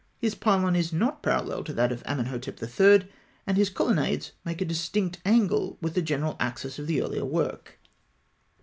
His pylon is not parallel to that of Amenhotep III., and his colonnades make a distinct angle with the general axis of the earlier work.